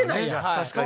確かに。